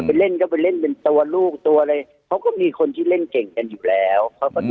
ไปเล่นก็ไปเล่นเป็นตัวลูกตัวอะไรเขาก็มีคนที่เล่นเก่งกันอยู่แล้วเขาก็จะ